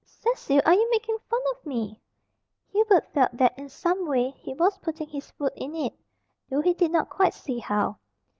"Cecil, are you making fun of me?" Hubert felt that, in some way, he was putting his foot in it though he did not quite see how.